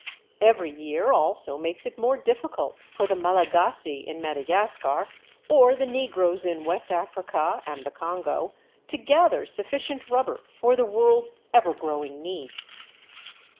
Every year also makes it more difficult for the Malagasy in Madagascar, or the Negroes in West Africa and the Congo, to gather sufficient rubber for the world's ever growing needs.